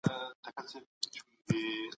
چي دین وساتو.